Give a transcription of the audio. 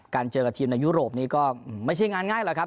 เจอกับทีมในยุโรปนี้ก็ไม่ใช่งานง่ายหรอกครับ